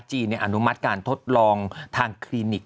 อนุมัติการทดลองทางคลินิก